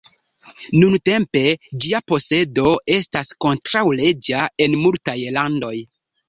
Nuntempe ĝia posedo estas kontraŭleĝa en multaj landoj.